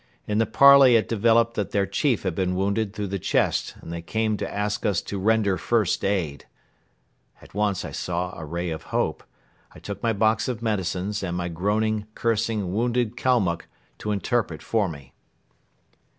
In the parley it developed that their chief had been wounded through the chest and they came to ask us to "render first aid." At once I saw a ray of hope. I took my box of medicines and my groaning, cursing, wounded Kalmuck to interpret for me.